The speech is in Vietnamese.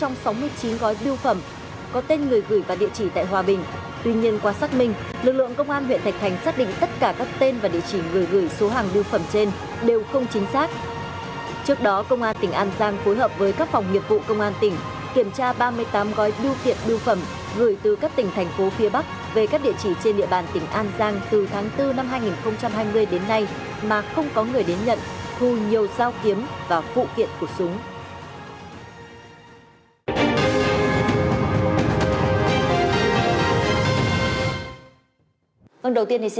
ngày bảy tháng bảy năm hai nghìn hai mươi công an huyện thạch thành tỉnh thanh hóa và biêu điện huyện